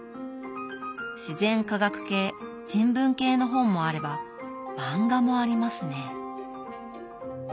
自然科学系人文系の本もあれば漫画もありますね。